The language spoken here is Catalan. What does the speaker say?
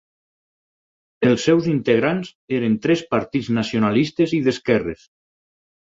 Els seus integrants eren tres partits nacionalistes i d'esquerres.